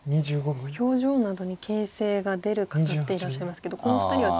表情などに形勢が出る方っていらっしゃいますけどこのお二人は。